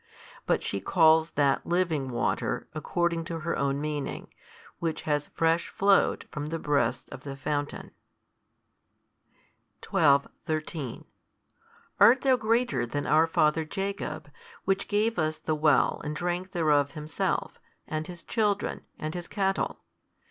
But she calls that living water, according to her own meaning, which has fresh flowed from the breasts of the fountain. |208 12, 13 Art Thou greater than our father Jacob, which gave us the well, and drank thereof himself, and his children, and his cattle?